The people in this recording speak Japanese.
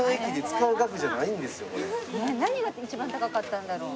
何が一番高かったんだろう？